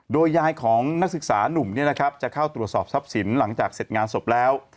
โดยยายของนักศึกษานุ่มจะเข้าตรวจสอบทรัพย์สินหลังจากเสร็จงานศพแล้ว